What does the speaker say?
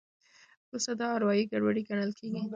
وروسته دا اروایي ګډوډي ګڼل کېږي.